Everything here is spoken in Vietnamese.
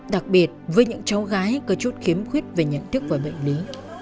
đặc biệt với những cháu gái có chút khiếm khuyết về nhận thức và bệnh lý